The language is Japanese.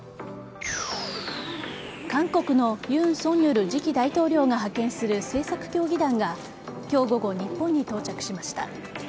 韓国の尹錫悦次期大統領が派遣する政策協議団が今日午後、日本に到着しました。